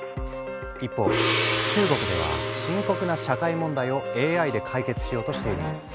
一方中国では深刻な社会問題をＡＩで解決しようとしているんです。